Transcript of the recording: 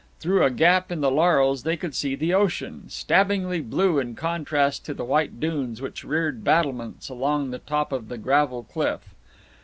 Through a gap in the laurels they could see the ocean, stabbingly blue in contrast to the white dunes which reared battlements along the top of the gravel cliff.